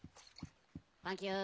サンキュー。